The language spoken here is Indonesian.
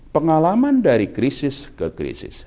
pengalaman dari krisis ke krisis